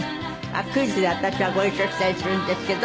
クイズで私はご一緒したりするんですけど。